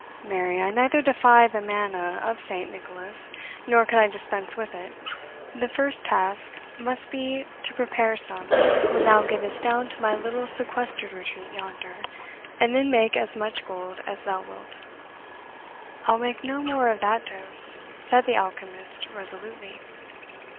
Marry, I neither defy the manna of Saint Nicholas, nor can I dispense with it. The first task must be to prepare some when thou gett'st down to my little sequestered retreat yonder, and then make as much gold as thou wilt." "I will make no more of that dose," said the alchemist, resolutely.